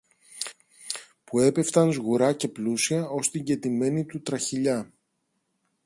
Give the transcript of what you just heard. που έπεφταν σγουρά και πλούσια ως την κεντημένη του τραχηλιά.